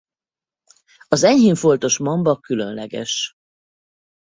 Az enyhén foltos mamba különleges.